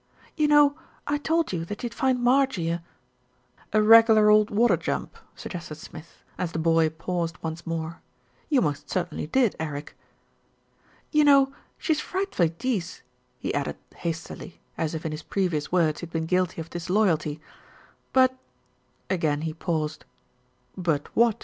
"You know I told you that you'd find Marjie a " "A regular old water jump," suggested Smith, as the boy paused once more. "You most certainly did, Eric." "You know she's frightfully dece," he added hastily, as if in his previous words he had been guilty of dis loyalty, "but " Again he paused. "But what?"